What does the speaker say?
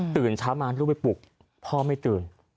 ตื่นเช้ามาลูกไปปลุกพ่อไม่ตื่น